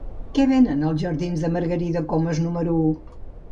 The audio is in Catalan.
Què venen als jardins de Margarida Comas número u?